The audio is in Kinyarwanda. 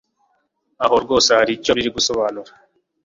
aha rwose hari icyo biri gusobanura